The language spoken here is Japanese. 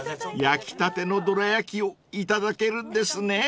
［焼きたてのどら焼きをいただけるんですね］